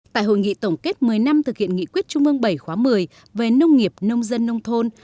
tại hội nghị tổng kết một mươi năm thực hiện nghị quyết trung ương bảy khóa một mươi về nông nghiệp nông dân nông thôn